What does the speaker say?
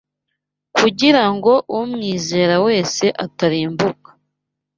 KUGIRA NGO UMWIZERA WESE ATARIMBUKA